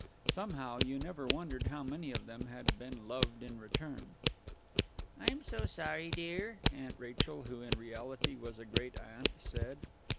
Somehow, you never wondered how many of them had been loved in return. "I'm so sorry, dear," Aunt Rachel, who in reality was a great aunt, said.